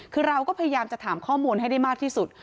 คือเราก็พยายามจะถามข้อมูลให้ได้มากที่สุด